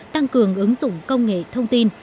tăng cường ứng dụng công nghệ thông tin